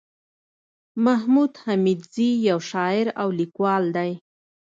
محمود حميدزى يٶ شاعر او ليکوال دئ